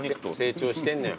成長してんのよ。